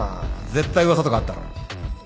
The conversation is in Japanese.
絶対噂とかあったろ？